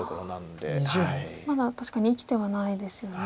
まだ確かに生きてはないですよね。